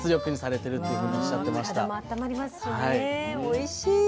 おいしい。